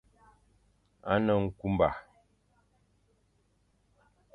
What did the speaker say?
A ne nkunba.